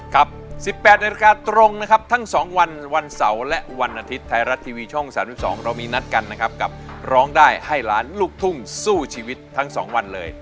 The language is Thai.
ครับ๑๘นาฬิกาตรงนะครับทั้ง๒วันวันเสาร์และวันอาทิตย์ไทยรัฐทีวีช่อง๓๒เรามีนัดกันนะครับกับร้องได้ให้ล้านลูกทุ่งสู้ชีวิตทั้ง๒วันเลย